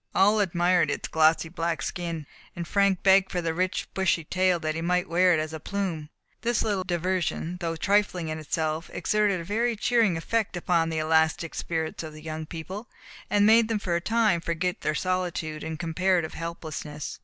All admired its glossy black skin, and Frank begged for the rich bushy tail, that he might wear it as a plume. This little diversion, though trifling in itself, exerted a very cheering effect upon the elastic spirits of the young people, and made them for a time forget their solitude and comparative helplessness.